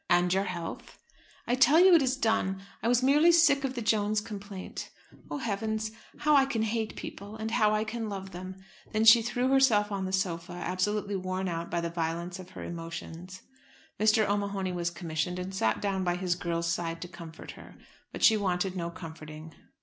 "And your health?" "I tell you it is done. I was merely sick of the Jones complaint. Oh, heavens! how I can hate people, and how I can love them!" Then she threw herself on the sofa, absolutely worn out by the violence of her emotions. Mr. O'Mahony was commissioned, and sat down by his girl's side to comfort her. But she wanted no comforting.